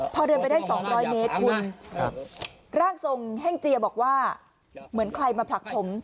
พอเดินไปได้๒๐๐เมตรคุณร่างทรงแห้งเจียบอกว่าเหมือนใครมาผลักผม